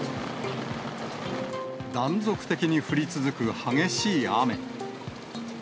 断続的に降り続く激しい雨。